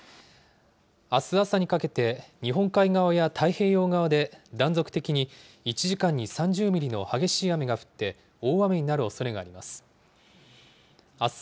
あす朝にかけて、日本海側や太平洋側で断続的に１時間に３０ミリの激しい雨が降って、大雨になるおそれがあります。